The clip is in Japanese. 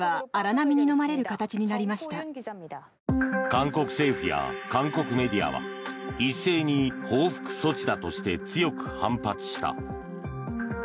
韓国政府や韓国メディアは一斉に報復措置だとして強く反発した。